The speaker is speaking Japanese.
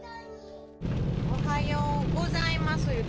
おはようございます言って。